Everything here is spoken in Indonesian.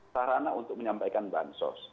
sarana untuk menyampaikan bansos